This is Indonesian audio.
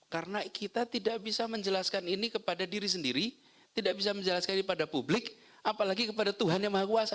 karena kita tidak bisa menjelaskan ini kepada diri sendiri tidak bisa menjelaskan ini pada publik apalagi kepada tuhan yang maha kuasa